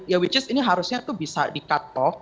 ya which is ini harusnya itu bisa di cuttock